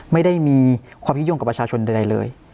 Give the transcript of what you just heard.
ไม่ได้มีความคิดย่งกับประชาชนใดเลย